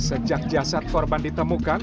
sejak jasad korban ditemukan